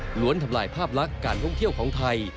ล้วนทำลายภาพลักษณ์การท่องเที่ยวของไทย